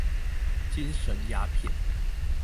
精神鴉片